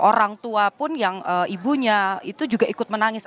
orang tua pun yang ibunya itu juga ikut menangis